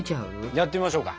やってみましょうか！